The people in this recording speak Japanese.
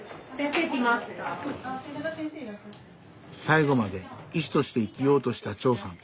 最期まで医師として生きようとした長さん。